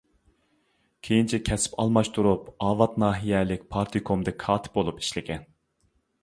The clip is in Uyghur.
كېيىنچە كەسىپ ئالماشتۇرۇپ ئاۋات ناھىيەلىك پارتكومدا كاتىپ بولۇپ ئىشلىگەن.